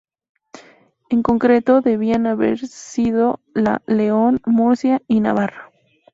En concreto debían haber sido la "León", "Murcia" y "Navarra".